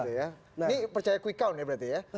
ini percaya quick count ya berarti ya